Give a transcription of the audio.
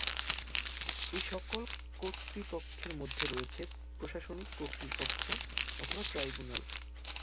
এ সকল কর্তৃপক্ষের মধ্যে রয়েছে প্রশাসনিক কর্তৃপক্ষ অথবা ট্রাইব্যুনাল।